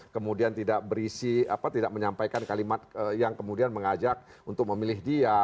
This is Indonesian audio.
kemudian tidak berisi apa tidak menyampaikan kalimat yang kemudian mengajak untuk memilih dia